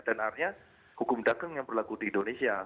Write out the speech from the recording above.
dan akhirnya hukum dagang yang berlaku di indonesia